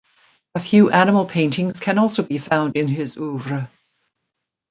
A few animal paintings can also be found in his oeuvre.